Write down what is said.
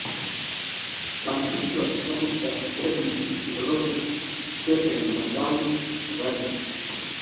Waandishi wa kitabu cha Deadly Developments Stephen na Downs Reyna